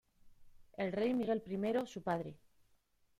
El Rey Miguel I su padre.